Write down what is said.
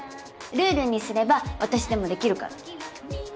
ルールにすれば私でもできるから。